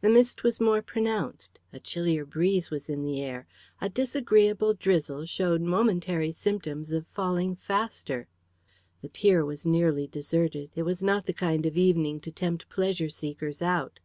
The mist was more pronounced; a chillier breeze was in the air; a disagreeable drizzle showed momentary symptoms of falling faster. The pier was nearly deserted; it was not the kind of evening to tempt pleasure seekers out.